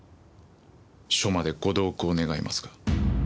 署までご同行願えますか？